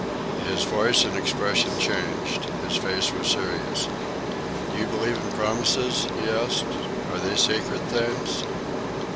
His voice and expression changed. His face was serious. "Do you believe in promises?" he asked. "Are they sacred things?"